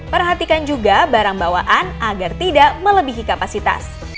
perhatikan juga barang bawaan agar tidak melebihi kapasitas